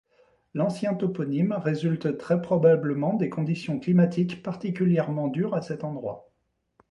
L’ancien toponyme résulte très probablement des conditions climatiques particulièrement dures à cet endroit.